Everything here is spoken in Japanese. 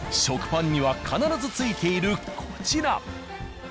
食パンには必ず付いているこちら。